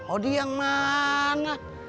odi yang mana